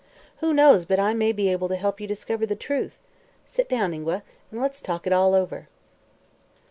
Who knows but I may be able to help you discover the truth? Sit down, Ingua, and let's talk it all over."